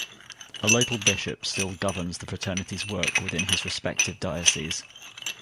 A local bishop still governs the fraternity's work within his respective diocese.